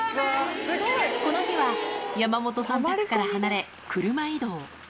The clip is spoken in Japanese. この日は山本さん宅から離れ、車移動。